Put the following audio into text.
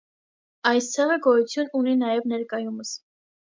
Այս ցեղը գոյություն ունի նաև ներկայումս։